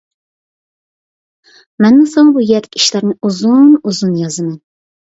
مەنمۇ ساڭا بۇ يەردىكى ئىشلارنى ئۇزۇن-ئۇزۇن يازىمەن.